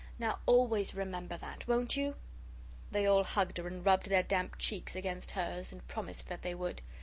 Now always remember that won't you?" They all hugged her and rubbed their damp cheeks against hers and promised that they would.